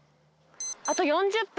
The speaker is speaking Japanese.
あと４０分。